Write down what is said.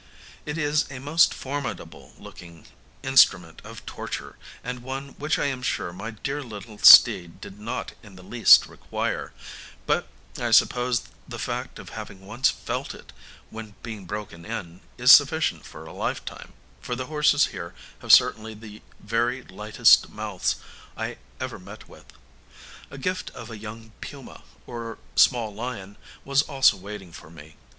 It is a most formidable looking instrument of torture, and one which I am sure my dear little steed did not in the least require; but I suppose the fact of having once felt it, when being broken in, is sufficient for a lifetime, for the horses here have certainly the very lightest mouths I ever met with. A gift of a young puma, or small lion, was also waiting for me.